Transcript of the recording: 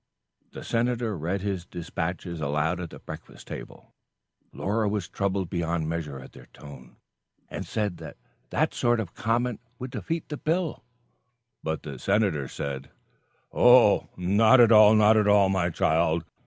The Senator read his dispatches aloud at the breakfast table. Laura was troubled beyond measure at their tone, and said that that sort of comment would defeat the bill; but the Senator said: "Oh, not at all, not at all, my child.